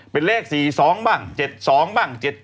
เป็นเลข๔๒บ้าง๗๒บ้าง๗๗